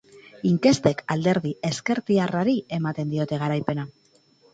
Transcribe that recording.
Inkestek alderdi ezkertiarrari ematen diote garaipena.